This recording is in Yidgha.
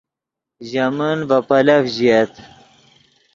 ژے من ڤے پیلف ژییت